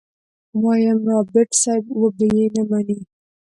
ويم رابرټ صيب وبه يې نه منې.